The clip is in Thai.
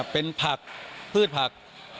เป็นผักพืชผัก